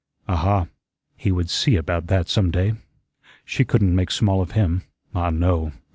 Aha, he would see about that some day. She couldn't make small of him. Ah, no.